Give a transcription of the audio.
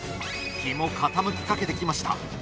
日も傾きかけてきました。